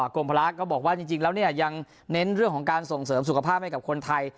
กรมภาระก็บอกว่าจริงแล้วยังเน้นเรื่องของการส่งเสริมสุขภาพให้กับคนไทย